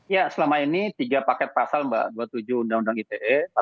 ya selama ini tiga paket pasal mbak dua puluh tujuh undang undang ite